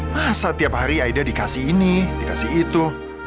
masa tiap hari aida dikasih ini dikasih itu